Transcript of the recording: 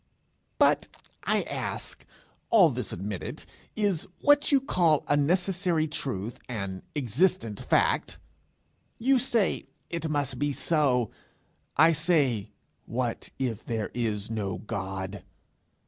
'But, I ask, all this admitted is what you call a necessary truth an existent fact? You say, "It must be so;" I say, "What if there is no God!"